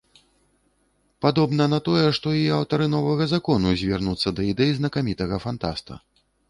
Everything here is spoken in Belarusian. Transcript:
Падобна на тое, што і аўтары новага закону звернуцца да ідэй знакамітага фантаста.